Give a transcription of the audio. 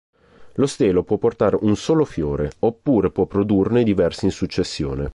Lo stelo può portare un solo fiore oppure può produrne diversi in successione.